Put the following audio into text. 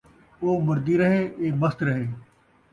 او مردی رہے، اے مست رہے